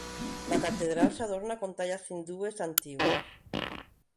La catedral se adorna con tallas hindúes antiguas.